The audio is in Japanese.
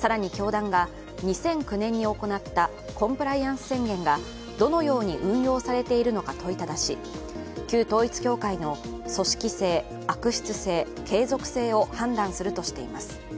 更に教団が２００９年に行ったコンプライアンス宣言がどのように運用されているのか問いただし、旧統一教会の組織性、悪質性、継続性を判断するとしています。